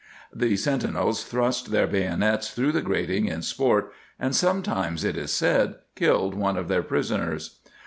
The sentinels thrust their bayonets through the grating in sport, and sometimes, it is said, killed one of their prisoners.